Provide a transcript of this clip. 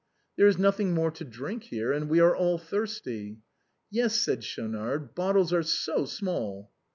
" There is nothing more to drink here, and we are all thirsty." " Yes," said Schaunard, " bottles are so small."